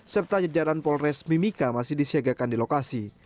serta jajaran polres mimika masih disiagakan di lokasi